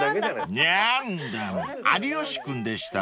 ［ニャンだ有吉君でしたか］